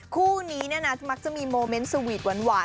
คู่นี้มักจะมีโมเมนต์สวีตส์หวาน